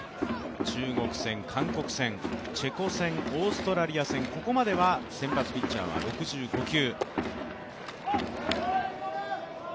中国戦、韓国戦、チェコ戦、オーストラリア戦、ここまでは先発ピッチャーは６５球。